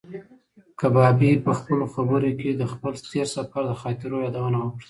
کبابي په خپلو خبرو کې د خپل تېر سفر د خاطرو یادونه وکړه.